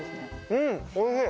うんおいしい。